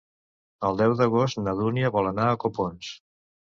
El deu d'agost na Dúnia vol anar a Copons.